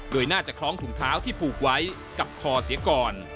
โดยน่าจะคล้องถุงเท้าที่ผูกไว้กับคอเสียก่อน